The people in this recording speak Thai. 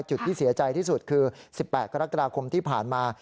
ที่เสียใจที่สุดคือ๑๘กรกฎาคมที่ผ่านมา